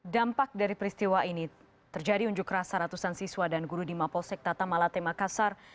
dampak dari peristiwa ini terjadi unjuk rasa ratusan siswa dan guru di mapolsek tata malate makassar